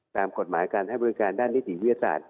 ตามกฎหมายการให้บริการทางนิสิวิทธิ์วิทธิ์ศาสตร์